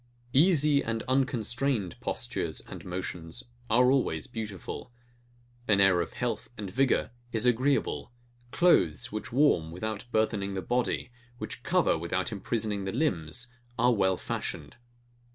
Easy and unconstrained postures and motions are always beautiful: An air of health and vigour is agreeable: Clothes which warm, without burthening the body; which cover, without imprisoning the limbs, are well fashioned.